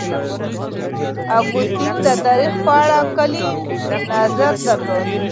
اګوستين د تاريخ په اړه کلي نظر درلود.